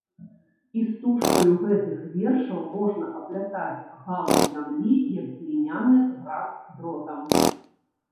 Істужкаю гэтых вершаў можна аплятаць галу зямлі, як гліняны гляк дротам.